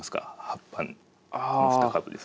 葉っぱこの２株ですが。